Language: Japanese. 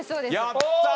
やったー！